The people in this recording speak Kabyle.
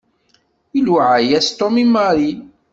Iluɛa-yas Tom i Mary.